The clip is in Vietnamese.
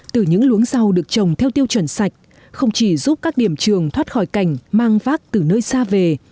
từ những luống rau được trồng theo tiêu chuẩn sạch không chỉ giúp các điểm trường thoát khỏi cảnh mang vác từ nơi xa về